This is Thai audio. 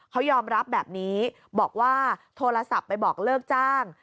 เขายอมรับแบบนี้บอกว่าโทรศัพท์ไปบอกเลิกจ้าง